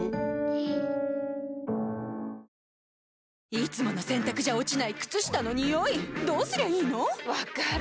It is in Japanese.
いつもの洗たくじゃ落ちない靴下のニオイどうすりゃいいの⁉分かる。